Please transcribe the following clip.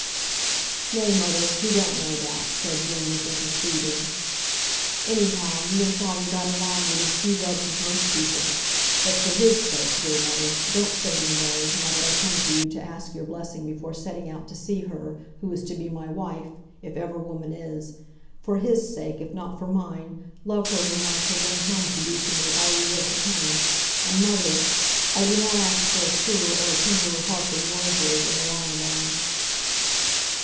"Nay, mother, we don't know that!" said Jem, with gentle soothing. "Any how, you and father got along with as few rubs as most people. But for his sake, dear mother, don't say me nay, now that I come to you to ask your blessing before setting out to see her, who is to be my wife, if ever woman is; for his sake, if not for mine, love her who I shall bring home to be to me all you were to him: and mother! I do not ask for a truer or a tenderer heart than yours is, in the long run."